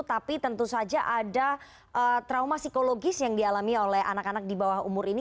tapi tentu saja ada trauma psikologis yang dialami oleh anak anak di bawah umur ini